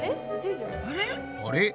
あれ？